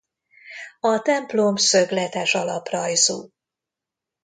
A templom szögletes alaprajzú.